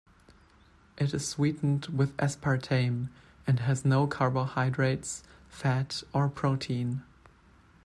It is sweetened with aspartame and has no carbohydrates, fat, or protein.